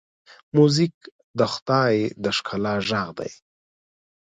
موزیک د خدای د ښکلا غږ دی.